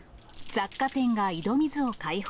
雑貨店が井戸水を開放。